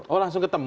oh langsung ketemu